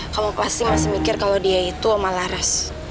kamu pasti masih mikir kalau dia itu sama laras